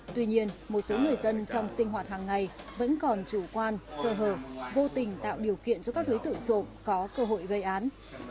tuy nhiên một số người dân trong sinh hoạt hàng ngày vẫn còn chủ quan sơ hở vô tình tạo điều kiện cho các đối tượng trộm có cơ hội gây án